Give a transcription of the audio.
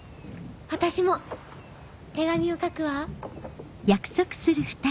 私も手紙を書くわ。